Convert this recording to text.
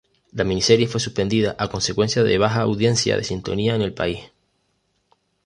La miniserie fue suspendida a consecuencia de baja audiencia de sintonía en el país.